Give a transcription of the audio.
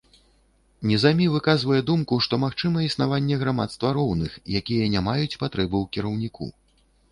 Нізамі выказвае думку, што магчыма існаванне грамадства роўных, якія не маюць патрэбы ў кіраўніку.